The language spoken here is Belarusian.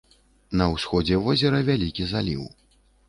На ўсходзе возера вялікі заліў.